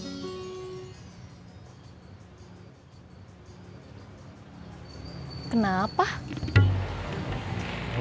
yaudah nanti aku kesana